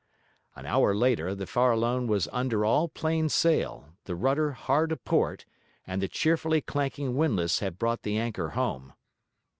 An hour later, the Farallone was under all plain sail, the rudder hard a port, and the cheerfully clanking windlass had brought the anchor home.